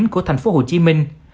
của thành phố hồ chí minh